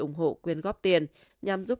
ủng hộ quyền góp tiền nhằm giúp